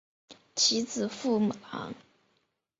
其子苻朗。